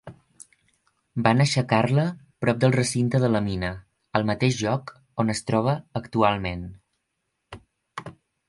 Van aixecar-la prop del recinte de la mina, al mateix lloc on es troba actualment.